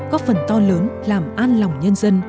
có phần to lớn làm an lòng nhân dân